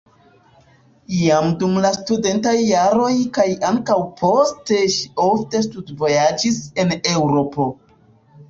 Jam dum la studentaj jaroj kaj ankaŭ poste ŝi ofte studvojaĝis en Eŭropo.